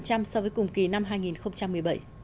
cùng kỳ năm hai nghìn một mươi bảy